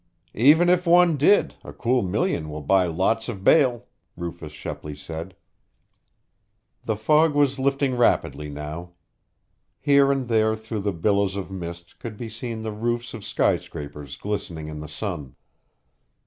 "Even if one did, a cool million will buy lots of bail," Rufus Shepley said. The fog was lifting rapidly now. Here and there through the billows of mist could be seen the roofs of skyscrapers glistening in the sun.